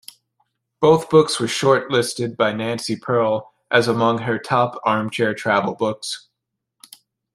Both books were shortlisted by Nancy Pearl as among her top armchair travel books.